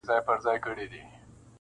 نن یې ریشا داسي راته وویل ,